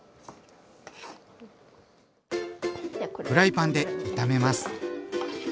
フライパンで炒めます。